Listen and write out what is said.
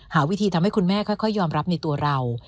หาวิธีทำให้คุณแม่ค่อยยอมรับในตัวเรา